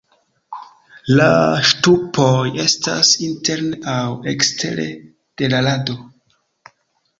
La ŝtupoj estas interne aŭ ekstere de la rado.